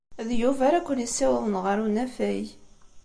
D Yuba ara ken-yessiwḍen ɣer unafag.